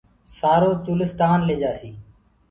سآرو چولستآن ليجآسي